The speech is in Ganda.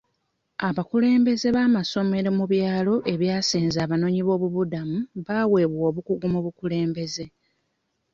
Abakulembeze b'amasomero mu byalo ebyasenza abanoonyi b'obubuddamu baweebwa obukugu mu bukulembeze.